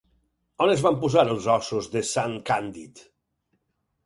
On es van posar els ossos de sant Càndid?